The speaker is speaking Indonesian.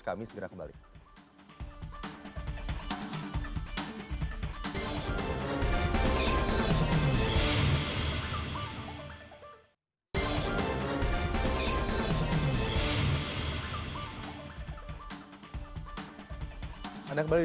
kami segera kembali